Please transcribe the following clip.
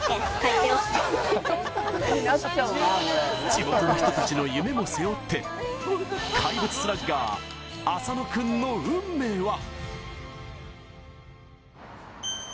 地元の人たちの夢も背負って怪物スラッガー、浅野君の運命は。